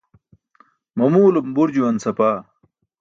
Mamuwlum bur juwan sapaa.